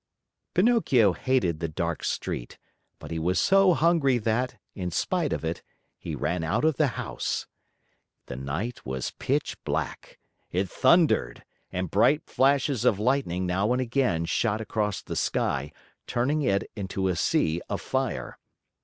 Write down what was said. Pinocchio hated the dark street, but he was so hungry that, in spite of it, he ran out of the house. The night was pitch black. It thundered, and bright flashes of lightning now and again shot across the sky, turning it into a sea of fire.